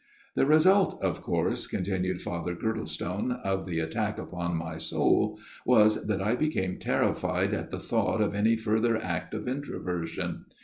" The result, of course," continued Father Girdlestone, " of the attack upon my soul was that I became terrified at the thought of any further act of introversion.